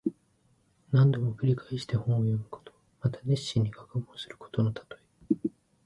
何度も繰り返して本を読むこと。また熱心に学問することのたとえ。